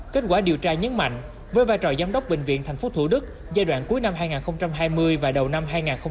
kết quả điều tra nhấn mạnh với vai trò giám đốc bệnh viện tp thủ đức giai đoạn cuối năm hai nghìn hai mươi và đầu năm hai nghìn hai mươi một